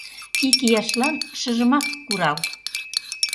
ИКИЯШЛАН ШЫЖЫМАК КУРАЛ